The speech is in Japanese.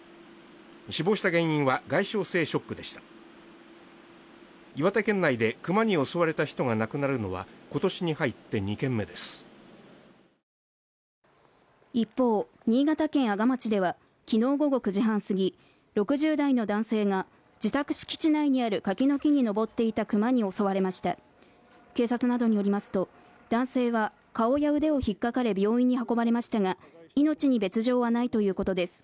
死亡した原因は外傷性ショックでした岩手県内でクマに襲われた人が亡くなるのは今年に入って２件目です一方、新潟県阿賀町ではきのう午後９時半過ぎ６０代の男性が自宅敷地内にある柿の木に登っていたクマに襲われました警察などによりますと男性は顔や腕をひっかかれ病院に運ばれましたが命に別状はないということです